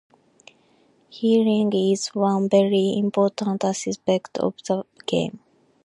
Healing is one very important aspect of the game.